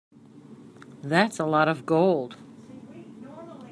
That's a lot of gold.